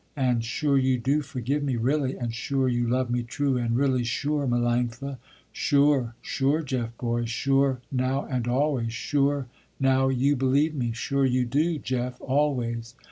And sure you do forgive me really, and sure you love me true and really, sure, Melanctha?" "Sure, sure, Jeff, boy, sure now and always, sure now you believe me, sure you do, Jeff, always."